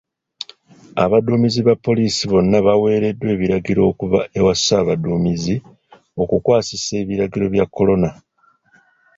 Abaduumizi ba poliisi bonna baweereddwa ebiragiro okuva ewa ssaabaduumizi okukwasisa ebiragiro bya Corona.